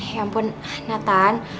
ya ampun nathan